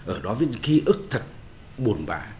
ở đó viết về những ký ức thật bồn bã